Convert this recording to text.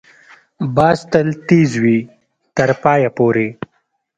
باز تل تېز وي، تر پایه پورې